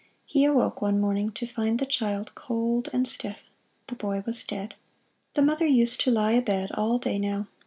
He awoke one morning to find the child cold and stiff. The boy was dead. The mother used to lie abed all day now.